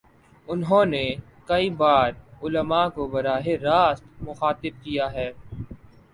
انہوں نے کئی بارعلما کو براہ راست مخاطب کیا ہے۔